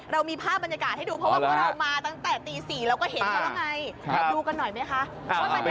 เรามีภาพบรรยากาศให้ดูเพราะว่าเรามาตั้งแต่ตี๔เราก็เห็นกันแล้วไง